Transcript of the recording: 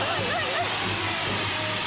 何？